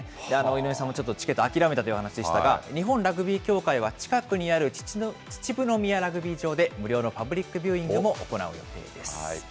井上さんもチケット、ちょっと諦めたという話でしたが、日本ラグビー協会は、近くにある秩父宮ラグビー場で、無料のパブリックビューイングも行う予定です。